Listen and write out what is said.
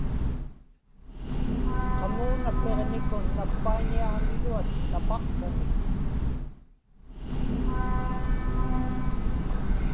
qamuuna Piġnikun nappaiñiaġniruat napaqsranik